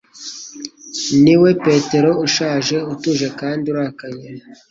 Niwe Petero ushaje - utuje kandi urakaye